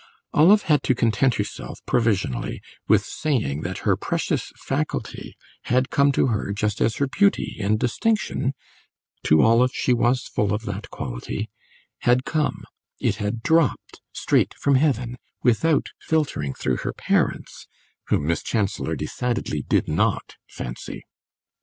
Olive had to content herself, provisionally, with saying that her precious faculty had come to her just as her beauty and distinction (to Olive she was full of that quality) had come; it had dropped straight from heaven, without filtering through her parents, whom Miss Chancellor decidedly did not fancy.